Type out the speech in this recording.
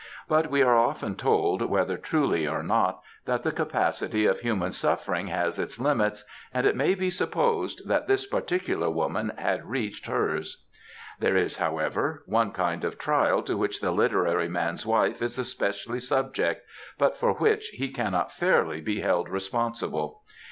But we are often told, whether truly or not, that the capacity of human suffering has its limits, and it may be supposed that this particular woman had reached hers. There is, however, one kind of trial to which the literary TRIALS OF A WIFE 109 man'^8 wife is especially subject, but for which he cannot fairly be held responsible.